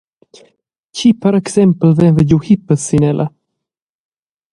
Tgi per exempel veva giu hippas sin ella?